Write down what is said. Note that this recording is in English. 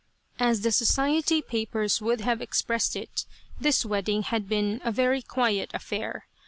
As the society papers would have expressed it, this wedding had been "a very quiet affair."